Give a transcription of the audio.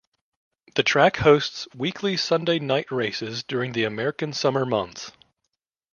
The track hosts weekly Sunday night races during the American summer months.